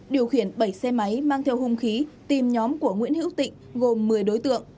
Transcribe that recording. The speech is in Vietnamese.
điều khiển bảy xe máy mang theo hung khí tìm nhóm của nguyễn hữu tịnh gồm một mươi đối tượng